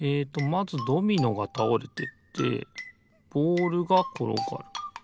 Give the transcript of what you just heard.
まずドミノがたおれてってボールがころがる。